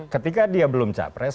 ketika dia belum capres